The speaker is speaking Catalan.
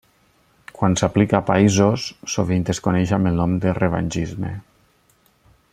Quan s'aplica a països, sovint es coneix amb el nom de revengisme.